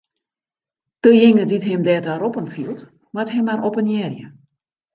Dejinge dy't him derta roppen fielt, moat him mar oppenearje.